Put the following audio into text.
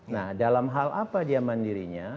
nah dalam hal apa dia mandirinya